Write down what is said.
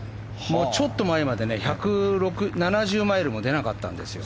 ちょっと前まで１７０マイルも出なかったんですよ。